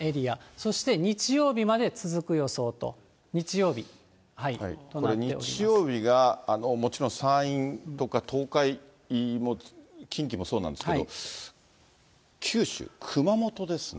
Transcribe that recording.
そして日曜日まで続く予想と、日曜日が、もちろん山陰とか東海も、近畿もそうなんですけど、九州、熊本ですね。